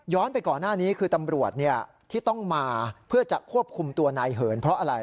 ไปก่อนหน้านี้คือตำรวจที่ต้องมาเพื่อจะควบคุมตัวนายเหินเพราะอะไร